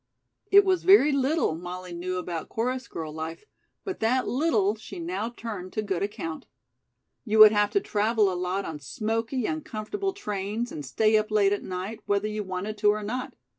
It was very little Molly knew about chorus girl life, but that little she now turned to good account. "You would have to travel a lot on smoky, uncomfortable trains and stay up late at night, whether you wanted to or not.